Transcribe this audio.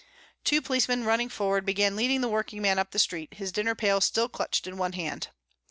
Two policemen running forward began leading the workingman up the street, his dinner pail still clutched in one hand.